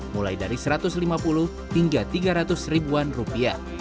mulai dari rp satu ratus lima puluh hingga rp tiga ratus ribuan